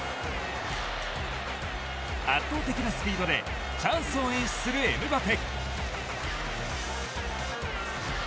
圧倒的なスピードでチャンスを演出するエムバペ。